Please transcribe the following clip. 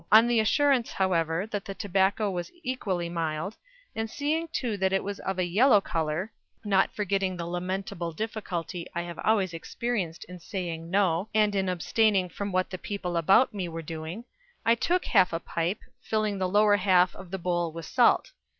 On the assurance, however, that the tobacco was equally mild, and seeing too that it was of a yellow colour, not forgetting the lamentable difficulty I have always experienced in saying, 'No,' and in abstaining from what the people about me were doing, I took half a pipe, filling the lower half of the bole with salt.